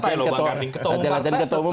bang karding latihan latian ketemu